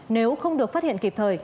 nếu không được phát hiện kịp thời